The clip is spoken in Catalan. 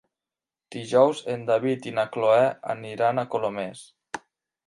Dijous en David i na Cloè aniran a Colomers.